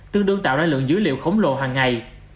tương đương tạo ra lượng dữ liệu khổng lồ hàng ngày